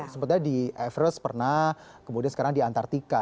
sempatnya di everest pernah kemudian sekarang di antartika